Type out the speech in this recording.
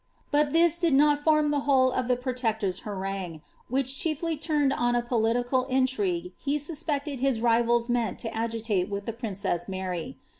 But this did not form the whole of the protector^s harangue, which chiefly turned on a poli tical intrigue he suspected his rivals meant to agitate with the princeM Mary.